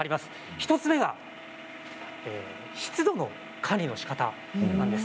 １つ目が湿度の管理のしかたなんです。